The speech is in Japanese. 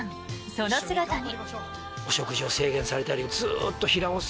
その姿に。